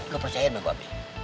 gak percaya dong babi